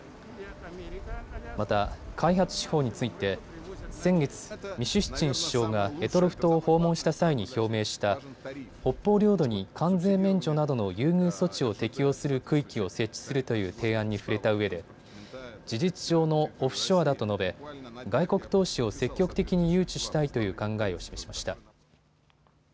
また、開発手法について先月、ミシュスチン首相が択捉島を訪問した際に表明した北方領土に関税免除などの優遇措置を適用する区域を設置するという提案に触れたうえで事実上のオフショアだと述べ、外国投資を積極的に誘致したいという考えを示しました。